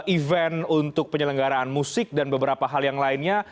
event untuk penyelenggaraan musik dan beberapa hal yang lainnya